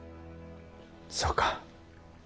そうか。